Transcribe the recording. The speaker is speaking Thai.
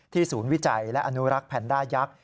ศูนย์วิจัยและอนุรักษ์แพนด้ายักษ์